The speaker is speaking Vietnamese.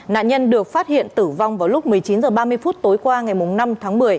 nạn nhân được phát hiện tử vong vào lúc một mươi chín h ba mươi phút tối qua ngày năm tháng một mươi